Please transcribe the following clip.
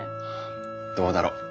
どうだろう。